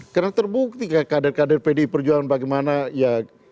karena terbukti kan kader kader pdi perjualan bagaimana ya